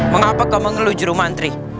mengapa kau mengeluh juru mantri